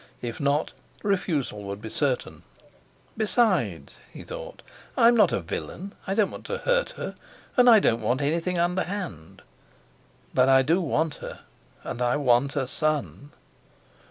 If not, refusal would be certain. Besides, he thought: "I'm not a villain. I don't want to hurt her; and I don't want anything underhand. But I do want her, and I want a son!